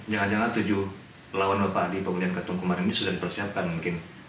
jangan jangan tujuh lawan bapak di pemulihan ketua umparti golkar ini sudah dipersiapkan mungkin